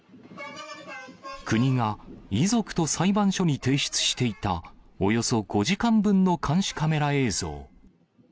国が遺族と裁判所に提出していた、およそ５時間分の監視カメラ映像。